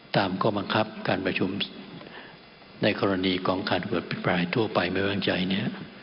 ตามกรมังคับการประชุมในกรณีกองคันหัวผิดปลายทั่วไปไม่วางใจเนี่ย